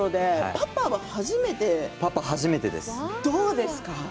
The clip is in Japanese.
パパは初めてです。